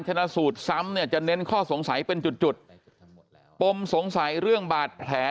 ชนะสูตรซ้ำเนี่ยจะเน้นข้อสงสัยเป็นจุดจุดปมสงสัยเรื่องบาดแผล